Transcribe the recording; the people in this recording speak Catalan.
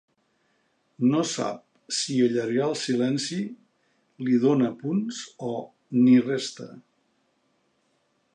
No sap si allargar el silenci li dóna punts o n'hi resta.